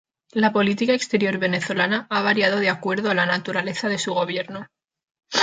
La política exterior venezolana ha variado de acuerdo a la naturaleza de su gobierno.